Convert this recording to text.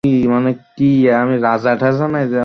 ইরফান খান সাহেব আমার গান নিয়ে তাঁর ভালো লাগার কথা জানিয়েছেন।